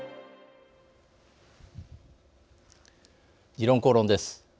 「時論公論」です。